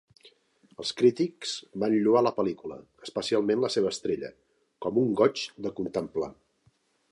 Els crítics van lloar la pel·lícula, especialment la seva estrella, com "un goig de contemplar".